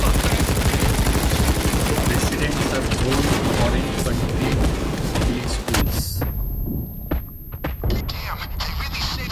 Residents are zoned to Orange County Public Schools.